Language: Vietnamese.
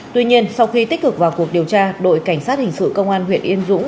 tuy nhiên sau khi tích cực vào cuộc điều tra đội cảnh sát hình sự công an huyện yên dũng